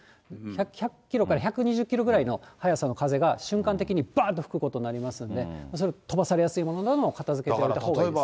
１００キロから１２０キロぐらいの速さの風が瞬間的にばーっと吹くことになりますので、飛ばされやすいものなど、片づけておいたほうがいいです。